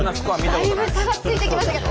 だいぶ差がついてきましたけど。